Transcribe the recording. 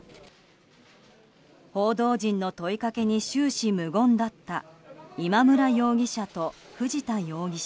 報道陣の問いかけに終始、無言だった今村容疑者と藤田容疑者。